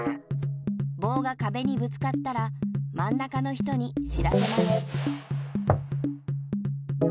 ぼうがかべにぶつかったらまんなかの人に知らせます。